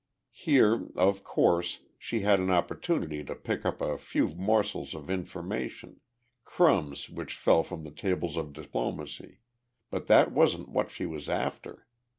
Here, of course, she had an opportunity to pick up a few morsels of information crumbs which fell from the tables of diplomacy but that wasn't what she was after.